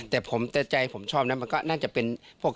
แต่ใจผมชอบก็น่าจะเป็น๒๑๒๐๓๐๓๑